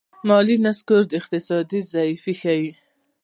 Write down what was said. مالي نسکور د اقتصاد ضعف ښيي.